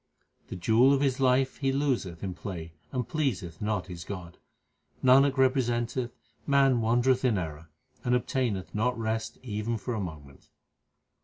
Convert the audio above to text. The jewel of his life he loseth in play, and pleaseth not his God. Nanak representeth man wandereth in error, and ob taineth not rest even for a moment.